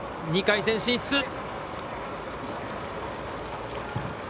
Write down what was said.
２回戦進出！